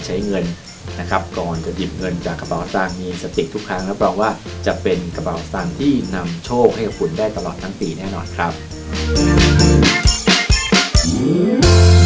หรือว่าสีชมพูครับและสุดท้ายนะครับแล้วรูปแบบที่ถูกฉลกกับคุณนั้นก็จะเป็นสีออกโทนสีฟ้าหรือว่าสีชมพูครับและที่สำคัญก็คือวินัยในเรื่องของการ